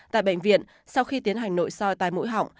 tại bệnh viện sau khi tiến hành nội soi tai mũi họng